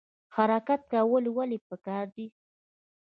حرکت کول ولې پکار دي؟